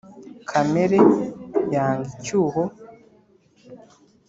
kamere yanga icyuho